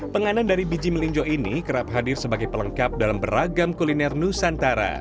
penganan dari biji melinjo ini kerap hadir sebagai pelengkap dalam beragam kuliner nusantara